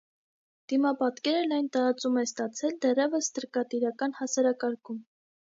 Դիմապատկերը լայն տարածում է ստացել դեռևս ստրկատիրական հասարակարգում։